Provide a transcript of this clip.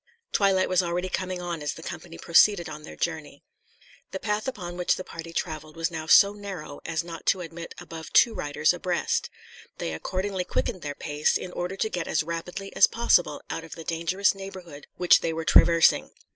Twilight was already coming on as the company proceeded on their journey. The path upon which the party travelled was now so narrow as not to admit above two riders abreast. They accordingly quickened their pace, in order to get as rapidly as possible out of the dangerous neighborhood which they were traversing.